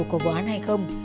của vụ án hay không